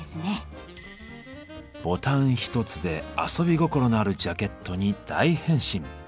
ボタン一つで遊び心のあるジャケットに大変身。